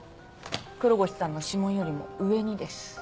黒越さんの指紋よりも上にです。